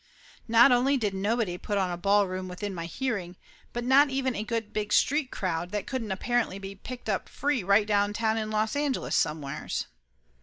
Not only did nobody put on a ball room within my hearing, but not even a good big street crowd that couldn't apparently be picked up free right downtown in Los Angeles somewheres.